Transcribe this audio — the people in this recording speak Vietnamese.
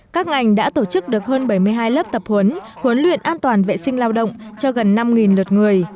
các ngành đã tổ chức được hơn bảy mươi hai lớp tập huấn huấn luyện an toàn vệ sinh lao động cho gần năm lượt người